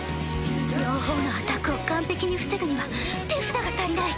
両方のアタックを完璧に防ぐには手札が足りない。